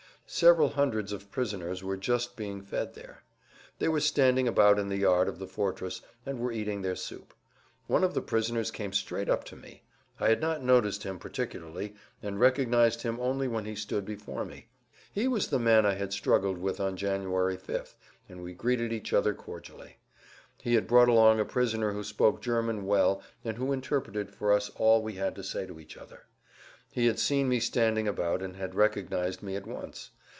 Several hundreds of prisoners were just being fed there. They were standing about in the yard of the fortress and were eating their soup. One of the prisoners came straight up to me. I had not noticed him particularly, and recognized him only when he stood before me. He was the man I had [Pg 169]struggled with on January 5th, and we greeted each other cordially. He had brought along a prisoner who spoke German well and who interpreted for us all we had to say to each other. He had seen me standing about and had recognized me at once.